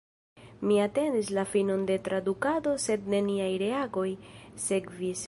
Mi atendis la finon de tradukado – sed neniaj reagoj sekvis.